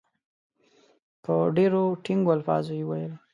په ډېرو ټینګو الفاظو وویل.